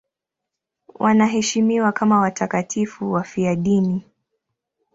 Wanaheshimiwa kama watakatifu wafiadini.